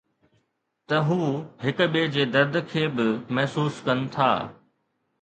ته هو هڪ ٻئي جي درد کي به محسوس ڪن ٿا.